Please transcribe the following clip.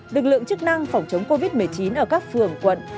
lực lượng chức năng phòng chống covid một mươi chín ở các phường quận